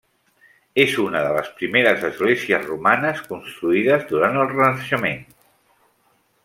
És una de les primeres esglésies romanes construïdes durant el Renaixement.